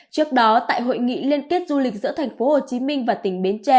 trước đó tại hội nghị liên kết du lịch giữa thành phố hồ chí minh và tỉnh bến tre